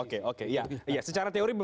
oke oke secara teori